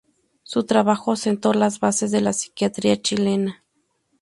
Su trabajo sentó las bases de la psiquiatría chilena.